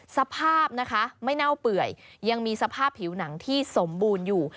สภาพนะคะไม่เน่าเปื่อยยังมีสภาพผิวหนังที่สมบูรณ์อยู่